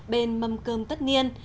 bên mâm cơm tất niên